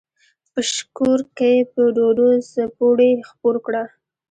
په شکور کښې په ډوډو څپُوڼے خپور کړه۔